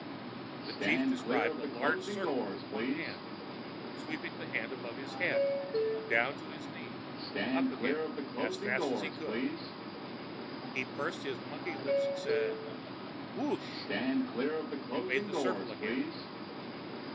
The chief described a large circle with one hand, sweeping the hand above his head, down to his knees, up again, as fast as he could. He pursed his monkey lips and said, "Whooooooosh!" And made the circle again.